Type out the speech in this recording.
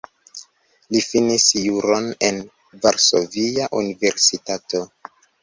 Li finis juron en Varsovia Universitato.